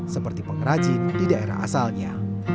seperti pengrajin di daerah asalnya